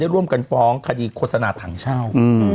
ร่วมกันฟ้องคดีโฆษณาถังเช่า